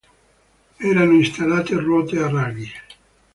Erano installate ruote a raggi.